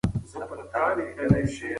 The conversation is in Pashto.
سپینې سپوږمۍ ته د حال ویل پخوانی دود دی.